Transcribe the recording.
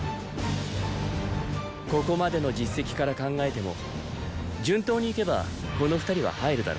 ここまでの実績から考えても順当にいけばこの二人は入るだろう。